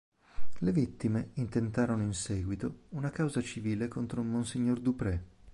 Le vittime intentarono in seguito una causa civile contro monsignor Dupré.